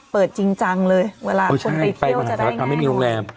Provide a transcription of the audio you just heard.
เปิดจริงจังเลยเวลาคนไปเที่ยวจะได้ไง